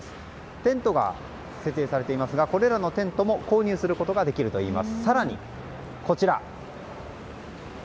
テントが設営されていますがこれらのテントも購入することができるといいます。